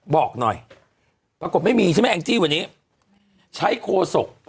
บอกหน่อยปรากฏไม่มีใช่ไหมแองจี้วันนี้ใช้โคศก